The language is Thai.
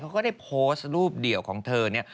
ก็ได้โพสต์รูปเดี่ยวของเธอเนี่ย